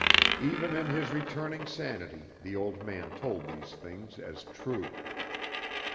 Even in his returning sanity the old man told these things as true.